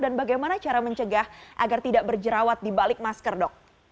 dan bagaimana cara mencegah agar tidak berjerawat di balik masker dok